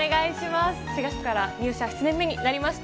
４月から入社７年目になりました。